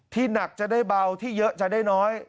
หนักจะได้เบาที่เยอะจะได้น้อย